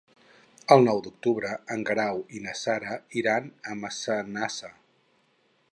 El nou d'octubre en Guerau i na Sara iran a Massanassa.